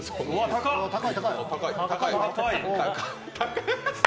高い！